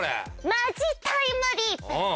マジタイムリープ！